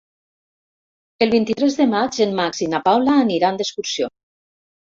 El vint-i-tres de maig en Max i na Paula aniran d'excursió.